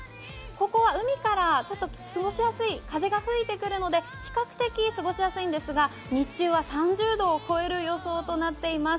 ここは海から過ごしやすい風が吹いてくるので比較的過ごしやすいんですが日中は３０度を超える予想となっています。